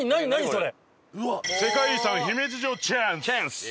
それ。